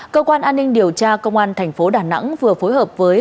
cơ quan an ninh điều tra công an thành phố đà nẵng vừa phối hợp với